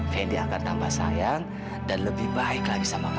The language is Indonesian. fendi akan tambah sayang dan lebih baik lagi sama kamu